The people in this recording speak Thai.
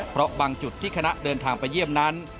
เพราะบางจุดที่คณะเดินทางไปเยี่ยมนั้น